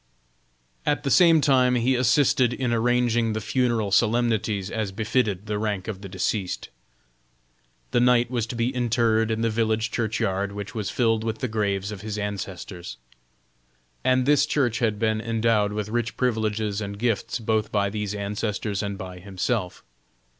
At the same time he assisted in arranging the funeral solemnities as befitted the rank of the deceased. The knight was to be interred in the village churchyard which was filled with the graves of his ancestors. And this church had been endowed with rich privileges and gifts both by these ancestors and by himself.